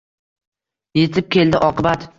Yetib keldi oqibat!